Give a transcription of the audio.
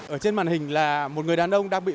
ở trên màn hình là một người đàn ông đang bị